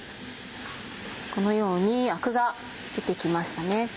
このようにアクが出て来ましたね。